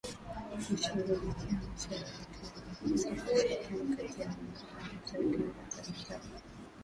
Kushughulikia masula yote yanayohusu ushirikiano kati ya Malmaka za Serikali za Mitaa